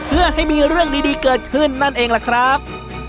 เพื่อให้มีเรื่องดีเกิดขึ้นนั่นเองล่ะครับ